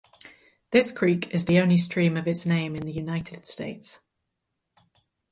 This creek is the only stream of this name in the United States.